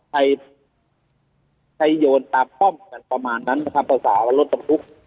ใครใครโยนตามป้อมกันประมาณนั้นทางประสาวรถกำลุก